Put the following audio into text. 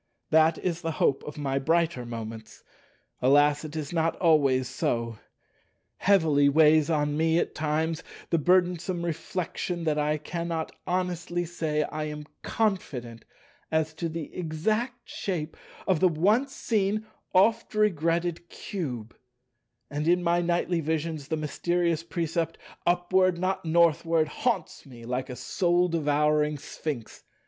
That is the hope of my brighter moments. Alas, it is not always so. Heavily weights on me at times the burdensome reflection that I cannot honestly say I am confident as to the exact shape of the once seen, oft regretted Cube; and in my nightly visions the mysterious precept, "Upward, not Northward," haunts me like a soul devouring Sphinx.